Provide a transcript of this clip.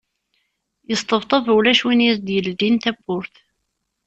Yesṭebṭeb ulac win i as-d-yeldin tawwurt.